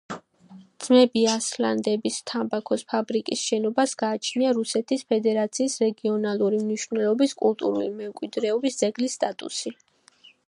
ძმები ასლანიდების თამბაქოს ფაბრიკის შენობას გააჩნია რუსეთის ფედერაციის რეგიონალური მნიშვნელობის კულტურული მემკვიდრეობის ძეგლის სტატუსი.